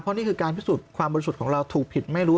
นี่คือการพิสูจน์ความบริสุทธิ์ของเราถูกผิดไม่รู้